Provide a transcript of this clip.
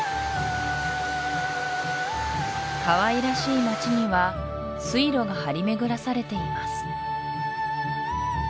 かわいらしい街には水路が張り巡らされています